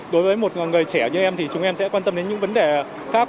đối với một người trẻ như em thì chúng em sẽ quan tâm đến những vấn đề pháp